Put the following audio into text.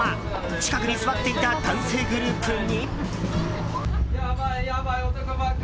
近くに座っていた男性グループに。